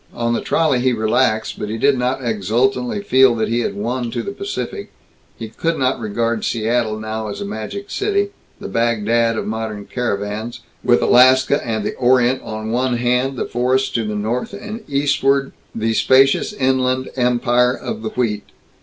On the trolley he relaxed. But he did not exultantly feel that he had won to the Pacific; he could not regard Seattle now as a magic city, the Bagdad of modern caravans, with Alaska and the Orient on one hand, the forests to the north, and eastward the spacious Inland Empire of the wheat.